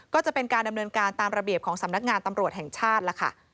ก็จะเป็นการดำเนินการตามระเบียบของสำนักงานตำรวจแห่งชาติแล้วค่ะ